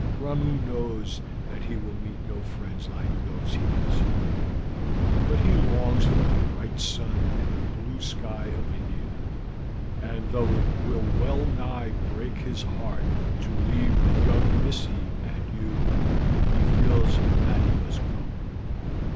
Ramoo knows that he will meet no friends like those he has here, but he longs for the bright sun and blue sky of India, and though it will well nigh break his heart to leave the young missie and you, he feels that he must go."